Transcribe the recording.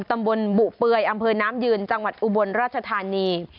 ตำบลบุเปลือยอำเภอน้ำยืนจังหวัดอุบลราชธานี